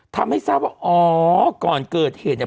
ทำให้ทราบว่าอ๋อก่อนเกิดเหตุเนี่ย